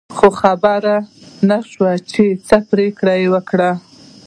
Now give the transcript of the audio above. خو خبر نه شو چې څه پرېکړه یې وکړه.